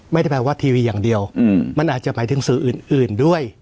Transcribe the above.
ไม่ได้แปลว่าทีวีอย่างเดียวมันอาจจะหมายถึงสื่ออื่นด้วย